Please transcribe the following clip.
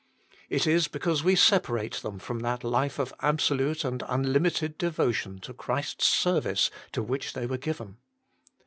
It is because we separate them from that life of absolute and unlimited devotion to Christ s ser vice to which they were given.